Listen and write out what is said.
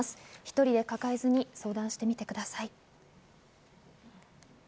一人で抱えずに相談してみてください。